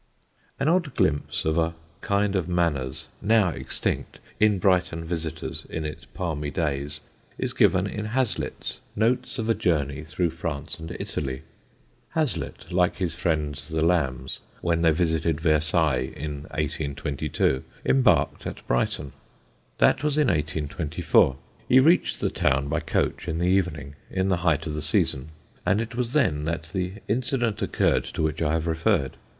[Sidenote: EXTINCT COURTESY] An odd glimpse of a kind of manners (now extinct) in Brighton visitors in its palmy days is given in Hazlitt's Notes of a Journey through France and Italy. Hazlitt, like his friends the Lambs, when they visited Versailles in 1822, embarked at Brighton. That was in 1824. He reached the town by coach in the evening, in the height of the season, and it was then that the incident occurred to which I have referred.